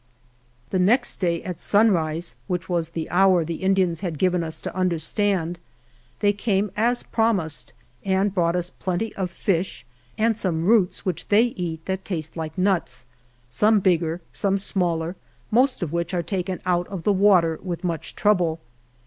THE next day, at sunrise, which was the hour the Indians had given us to understand, they came as prom ised and brought us plenty of fish and some roots which they eat that taste like nuts, some bigger, some smaller, most of which are taken out of the water with much trouble.